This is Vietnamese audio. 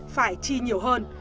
phải chi nhiều hơn